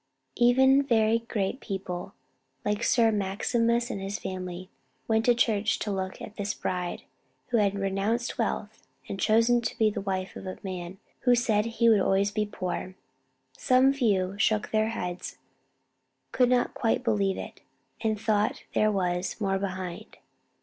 Even very great people, like Sir Maximus and his family, went to the church to look at this bride, who had renounced wealth, and chosen to be the wife of a man who said he would always be poor. Some few shook their heads; could not quite believe it; and thought there was "more behind."